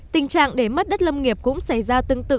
tình trạng để mất đất lâm nghiệp cũng xảy ra tương tự